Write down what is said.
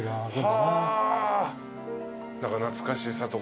懐かしさと。